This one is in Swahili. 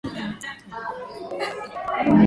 Ana maarifa mengi.